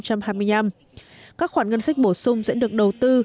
các khoản ngân sách bổ sung sẽ được đầu tư